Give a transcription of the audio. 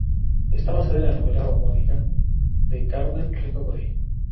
Está basada en la novela homónima de Carmen Rico-Godoy.